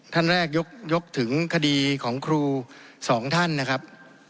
ท่านแรกยกถึงคดีของครูสองท่านนะครับ